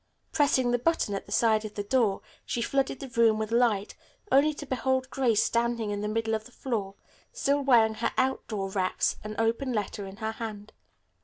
Pressing the button at the side of the door, she flooded the room with light, only to behold Grace standing in the middle of the floor, still wearing her outdoor wraps, an open letter in her hand.